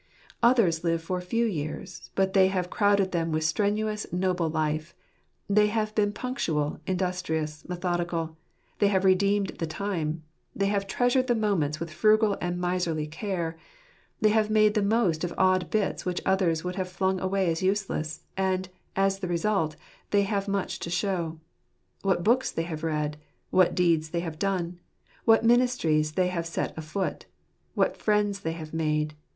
Others live for few years , but they have crowded them with strenuous, noble life: they have been punctual, industrious, methodical : they have redeemed the time ; they have treasured the moments with frugal and miserly care ) they have made the most of odd bits which others would have flung away as useless — and, as the result, they have much to show. What books they have read ! What deeds they have done ! What ministries they have set afoot ! What friends they have made